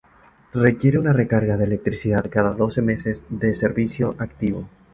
Requiere una recarga de electricidad cada doce meses de servicio activo.